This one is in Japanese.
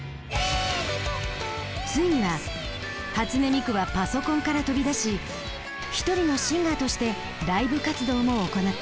ついには初音ミクはパソコンから飛び出し一人のシンガーとしてライブ活動も行った。